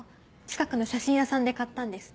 近くの写真屋さんで買ったんです。